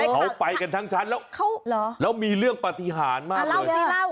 เขาไปกันทั้งชั้นแล้วแล้วมีเรื่องปฏิหารมาก